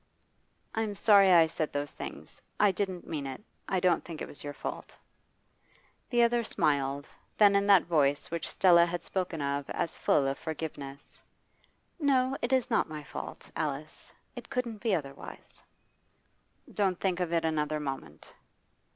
'I'm sorry I said those things. I didn't mean it. I don't think it was your fault.' The other smiled; then in that voice which Stella had spoken of as full of forgiveness 'No, it is not my fault, Alice. It couldn't be otherwise.' 'Don't think of it another moment.